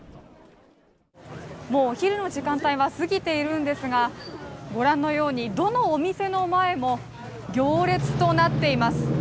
もうお昼の時間帯は過ぎているんですが、ご覧のようにどのお店の前も行列となっています。